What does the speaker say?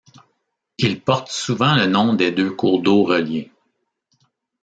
Il porte souvent le nom des deux cours d'eau reliés.